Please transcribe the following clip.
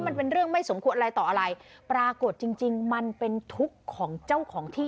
มันเป็นเรื่องไม่สมควรอะไรต่ออะไรปรากฏจริงจริงมันเป็นทุกข์ของเจ้าของที่